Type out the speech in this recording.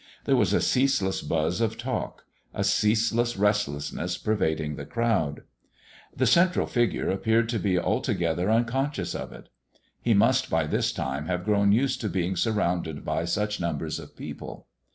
There was a ceaseless buzz of talk a ceaseless restlessness pervading the crowd. The central figure appeared to be altogether unconscious of it. He must by this time have grown used to being surrounded by such numbers of people.